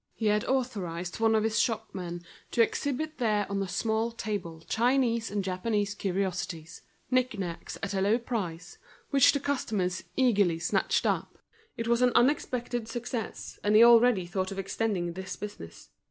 He had authorised one of his shopmen to exhibit there on a small table Chinese and Japanese curiosities, knick knacks at a low price, which the customers eagerly snatched up. It was an unexpected success, and he already thought of extending this business.